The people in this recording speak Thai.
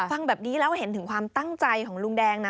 ฟังแบบนี้แล้วเห็นถึงความตั้งใจของลุงแดงนะ